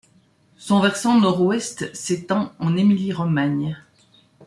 Son versant nord-ouest s'étend en Émilie-Romagne.